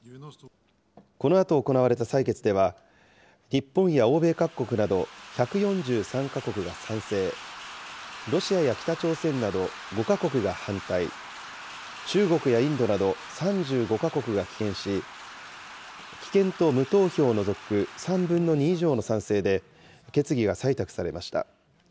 このあと行われた採決では、日本や欧米各国など１４３か国が賛成、ロシアや北朝鮮など５か国が反対、中国やインドなど３５か国が棄権し、棄権と無投票を除く３分の２以上の賛成で決議が採択されました。